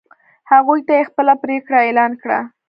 هغوی ته یې خپله پرېکړه اعلان کړه.